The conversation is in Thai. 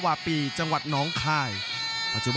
และอัพพิวัตรสอสมนึก